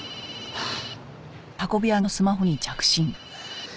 はあ？